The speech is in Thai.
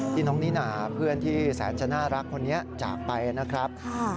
น้องนิน่าเพื่อนที่แสนจะน่ารักคนนี้จากไปนะครับ